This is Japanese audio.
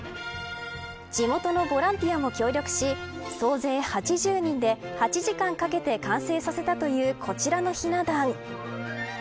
地元のボランティアも協力し総勢８０人で８時間かけて完成させたというこちらのひな壇。